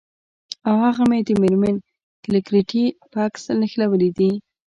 او هغه مې د میرمن کلیګرتي په عکس نښلولي دي